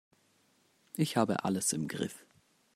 Ich habe alles im Griff.